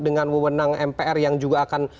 dengan wewenang mpr yang juga akan